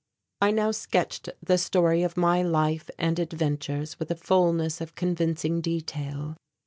I now sketched the story of my life and adventures with a fulness of convincing detail.